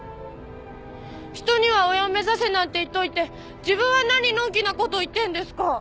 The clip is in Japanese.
人には上を目指せなんて言っといて自分は何のんきなこと言ってんですか！？